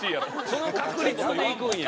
その確率でいくんや。